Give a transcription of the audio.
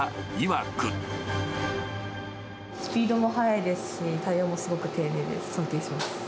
スピードも速いですし、対応もすごく丁寧で、尊敬します。